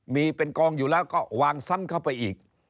มีเป็นกองอยู่แล้วก็วางซ้ำเข้าไปอีก